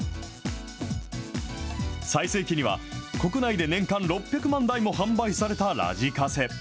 最盛期には国内で年間６００万台も販売されたラジカセ。